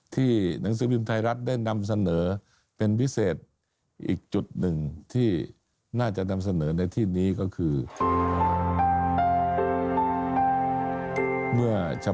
ที่หนังสึกอีกจุดหนึ่งที่น่าจะนำเสนอในที่นี้ก็คือ